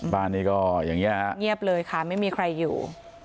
บ้านนี้ก็อย่างนี้ฮะเงียบเลยค่ะไม่มีใครอยู่